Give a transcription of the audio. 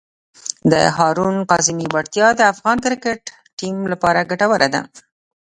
د هارون کاظمي وړتیا د افغان کرکټ ټیم لپاره ګټوره ده.